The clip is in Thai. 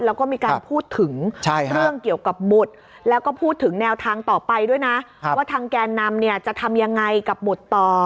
แล้วก็มีการพูดถึงเรื่องเกี่ยวกับหมุด